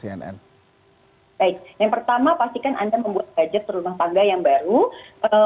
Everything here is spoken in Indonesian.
baik yang pertama pastikan anda membuat budget berumah tangga yang baru